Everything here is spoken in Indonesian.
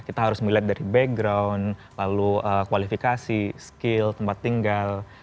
kita harus melihat dari background lalu kualifikasi skill tempat tinggal